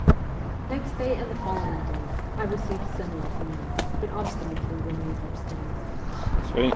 Next day and the following days I received similar commands, but obstinately remained upstairs.